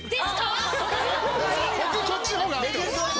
僕こっちの方が。